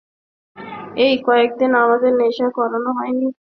এই কয়দিন আমাদের নেশা করানো হয়নি।